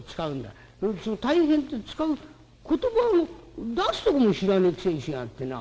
その大変って使う言葉を出すとこも知らねえくせにしやがってな」。